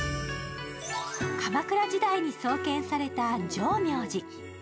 鎌倉時代に創建された浄妙寺。